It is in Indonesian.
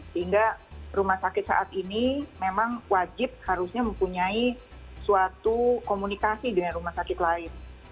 sehingga rumah sakit saat ini memang wajib harusnya mempunyai suatu komunikasi dengan rumah sakit lain